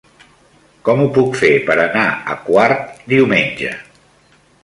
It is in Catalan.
Com ho puc fer per anar a Quart diumenge?